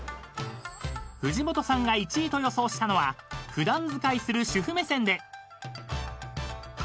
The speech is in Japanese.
［藤本さんが１位と予想したのは普段使いする主婦目線で］